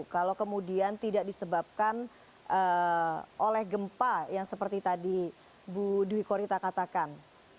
kalau kemudian tidak disebabkan oleh gempa yang seperti tadi bu dwi korita katakan